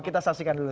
kita saksikan dulu